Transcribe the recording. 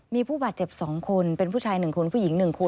มีผู้บาดเจ็บ๒คนเป็นผู้ชาย๑คนผู้หญิง๑คน